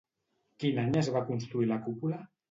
Quin any es va construir la cúpula?